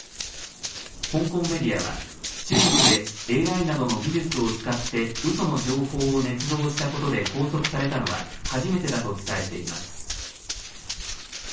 香港メディアは、中国でＡＩなどの技術を使ってうその情報をねつ造したことで拘束されたのは、初めてだと伝えています。